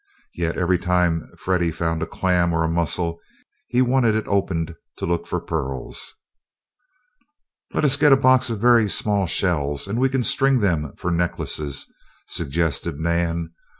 Yet, every time Freddie found a clam or a mussel, he wanted it opened to look for pearls. "Let us get a box of very small shells and we can string them for necklaces," suggested Nan.